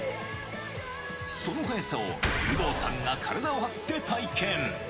その速さを有働さんが体を張って体験。